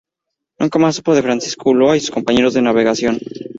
Nunca más se supo de Francisco de Ulloa y de sus compañeros de navegación.